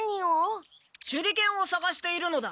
手裏剣をさがしているのだ。